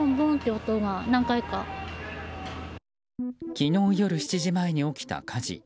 昨日夜７時前に起きた火事。